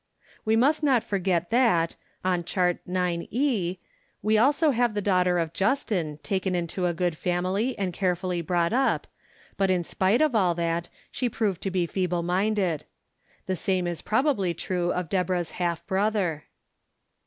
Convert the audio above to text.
We must not forget that, on Chart IX e, we also have the daughter of Justin taken into a good family and carefully brought up, but in spite of all that, she proved to be feeble minded. The same is probably true of Deborah's half brother.